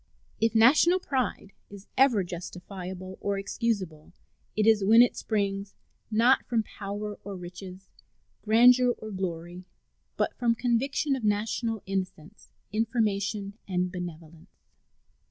If national pride is ever justifiable or excusable it is when it springs, not from power or riches, grandeur or glory, but from conviction of national innocence, information, and benevolence.